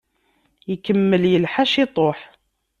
Ikemmel yelḥa ciṭuḥ.